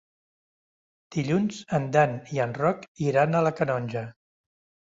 Dilluns en Dan i en Roc iran a la Canonja.